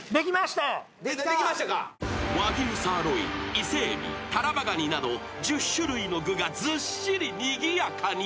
［和牛サーロイン伊勢海老タラバガニなど１０種類の具がずっしりにぎやかに］